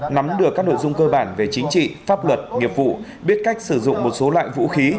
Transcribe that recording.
nắm được các nội dung cơ bản về chính trị pháp luật nghiệp vụ biết cách sử dụng một số loại vũ khí